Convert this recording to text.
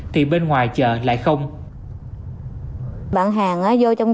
thì bên ngoài chợ lại không